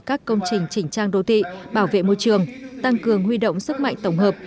các công trình chỉnh trang đô thị bảo vệ môi trường tăng cường huy động sức mạnh tổng hợp